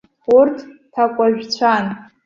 Урҭ ҭакәажәцәан.